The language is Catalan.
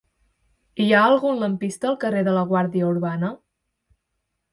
Hi ha algun lampista al carrer de la Guàrdia Urbana?